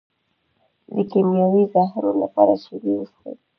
د کیمیاوي زهرو لپاره شیدې وڅښئ